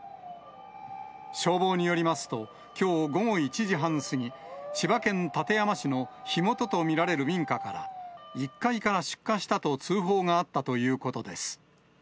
消防によりますと、きょう午後１時半過ぎ、千葉県館山市の火元と見られる民家から、１階から出火したと通報があったということです。